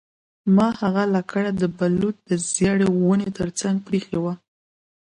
ما هغه لکړه د بلوط د زړې ونې ترڅنګ پریښې ده